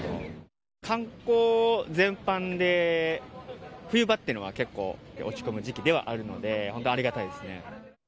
観光全般で冬場っていうのは結構、落ち込む時期ではあるので、本当ありがたいですね。